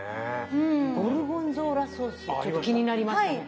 ゴルゴンゾーラソースちょっと気になりましたね。